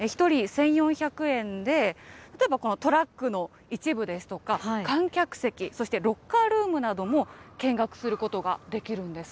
１人１４００円で、例えば、このトラックの一部ですとか、観客席、そしてロッカールームなども見学することができるんです。